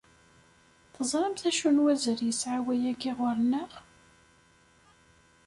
Teẓramt acu n wazal yesɛa wayagi ɣer-neɣ?